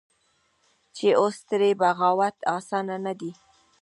چې اوس ترې بغاوت اسانه نه دى.